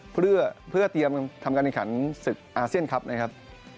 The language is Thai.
เพื่อเพื่อเตรียมทำการการศึกอาเซียนครับนะครับ